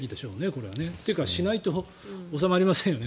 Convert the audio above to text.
これはね。というかしないと収まりませんよね